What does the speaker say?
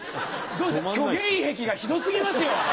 虚言癖がひど過ぎますよ！